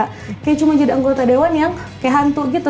kayak cuma jadi anggota dewan yang kayak hantu gitu